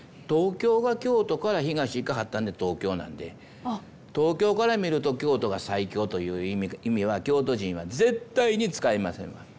東京が京都から東行かはったんで東京なんで東京から見ると京都が西京という意味は京都人は絶対に使いませんわ。